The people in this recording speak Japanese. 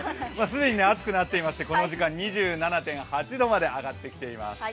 既に暑くなっていましてこの時間２７．８度まで上がってきています。